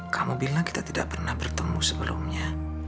kamu bilang kita tidak pernah bertemu sebelumnya